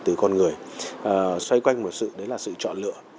từ con người xoay quanh một sự đấy là sự chọn lựa